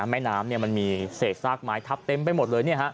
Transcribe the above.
แม่น้ำมันมีเศษซากไม้ทับเต็มไปหมดเลย